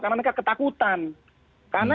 karena mereka ketakutan karena